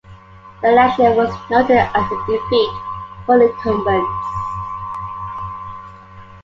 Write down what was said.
The election was noted as a defeat for incumbents.